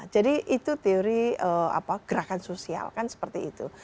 jadi itu teori gerakan sosial kan seperti itu